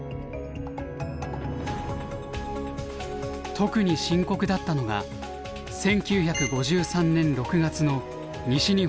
特に深刻だったのが１９５３年６月の西日本水害。